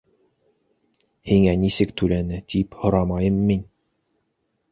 — Һиңә нисек түләне тип һорамайым мин.